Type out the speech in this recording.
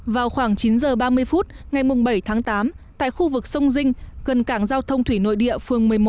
vào khoảng chín h ba mươi phút ngày bảy tháng tám tại khu vực sông dinh gần cảng giao thông thủy nội địa phương một mươi một